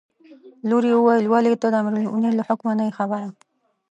لور یې وویل: ولې ته د امیرالمؤمنین له حکمه نه یې خبره.